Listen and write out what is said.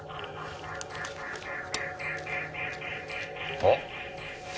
あっ！